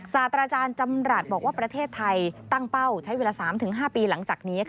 ศาสตราจารย์จำรัฐบอกว่าประเทศไทยตั้งเป้าใช้เวลา๓๕ปีหลังจากนี้